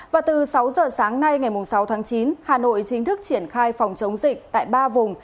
và từ sáu giờ sáng nay ngày sáu tháng chín hà nội chính thức triển khai phòng chống dịch tại ba vùng